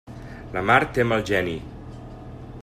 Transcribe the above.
La mar té mal geni.